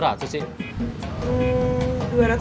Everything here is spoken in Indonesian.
kurang cocok buat akar